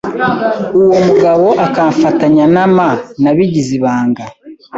uwo mugabo akamfatanya na ma nabigize ibanga